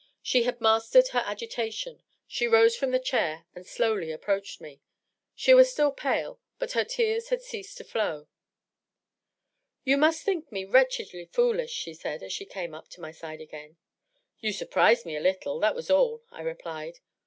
She had mastered her agitation. She rose from the chair and slowly approached me. She was still pale, but her tears had ceased to flow. " You must think me wretchedly foolish," she said, as she came up to my side again. " You surprised me a little ; that was all," I replied.